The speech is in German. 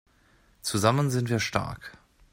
Zusammen sind wir stark!